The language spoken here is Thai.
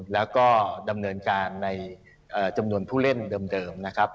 แล้วก็ดำเนินการในจำนวนผู้เล่นเดิมนะครับ